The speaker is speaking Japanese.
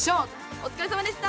お疲れさまでした！